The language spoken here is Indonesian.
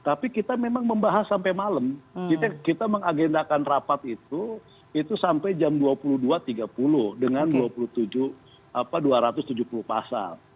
tapi kita memang membahas sampai malam kita mengagendakan rapat itu itu sampai jam dua puluh dua tiga puluh dengan dua ratus tujuh puluh pasal